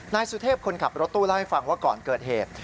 นายสุเทพคนขับรถตู้เล่าให้ฟังว่าก่อนเกิดเหตุ